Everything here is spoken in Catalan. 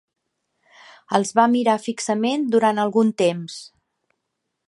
Els va mirar fixament durant algun temps.